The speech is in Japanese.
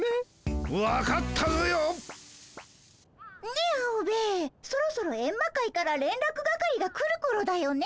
ねえアオベエそろそろエンマ界かられんらく係が来るころだよね？